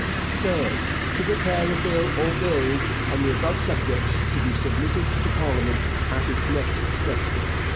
3rd. To prepare a bill or bills on the above subjects, to be submitted to parliament at its next session.